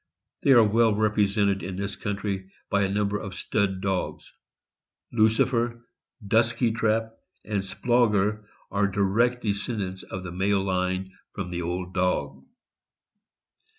They are well represented in this country by a number of stud dogs. Lucifer, Dusky Trap, and Splauger are direct descendants in the male line from the old dog.